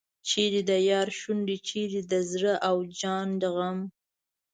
چیرې د یار شونډې چیرې د زړه او جان غم.